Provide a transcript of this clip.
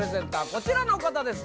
こちらの方です